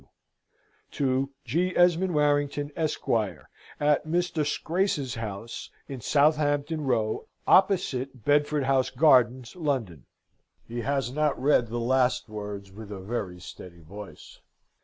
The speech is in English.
W." "To G. Esmond Warrington, Esq., at Mr. Scrace's House in Southampton Row, Opposite Bedford House Gardens, London." He has not read the last words with a very steady voice.